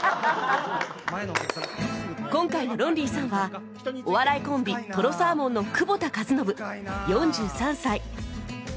今回のロンリーさんはお笑いコンビとろサーモンの久保田かずのぶ４３歳